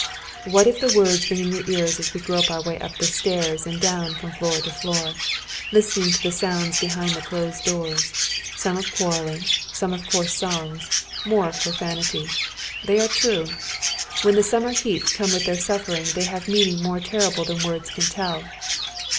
What if the words ring in your ears as we grope our way up the stairs and down from floor to floor, listening to the sounds behind the closed doors — some of quarrelling, some of coarse songs, moi e of profanity. They are true. When the summer lieats come with their suffering they have meaning more teiTible tliau words can tell.